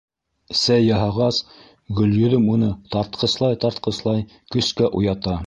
Сәй яһағас, Гөлйөҙөм уны тартҡыслай-тартҡыслай көскә уята: